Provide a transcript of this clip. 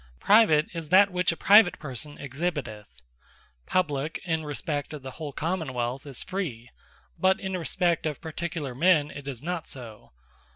Private, is that which a Private person exhibiteth. Publique, in respect of the whole Common wealth, is Free; but in respect of Particular men it is not so.